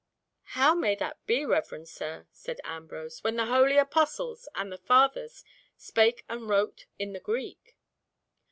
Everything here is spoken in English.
"How may that be, reverend sir," said Ambrose, "when the holy Apostles and the Fathers spake and wrote in the Greek?"